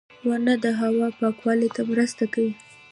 • ونه د هوا پاکوالي ته مرسته کوي.